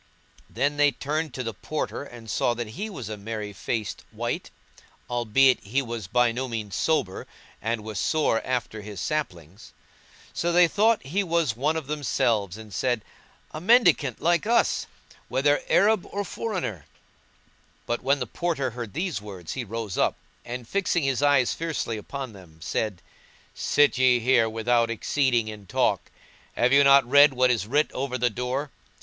Then they turned to the Porter and saw that he was a merry faced wight, albeit he was by no means sober and was sore after his slappings. So they thought that he was one of themselves and said, "A mendicant like us! whether Arab or foreigner."[FN#169] But when the Porter heard these words, he rose up, and fixing his eyes fiercely upon them, said, "Sit ye here without exceeding in talk! Have you not read what is writ over the door?